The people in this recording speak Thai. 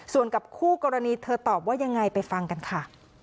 ส่วนกับคู่กรณีเธอตอบว่ายังไงไปฟังกันค่ะ